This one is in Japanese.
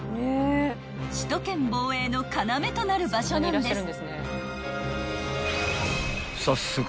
［首都圏防衛の要となる場所なんです］